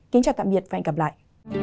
kính chào tạm biệt và hẹn gặp lại